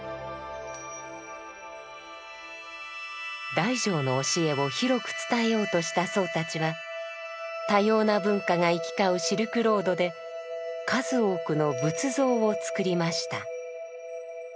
大乗の教えを広く伝えようとした僧たちは多様な文化が行き交うシルクロードで数多くの仏像を作りました。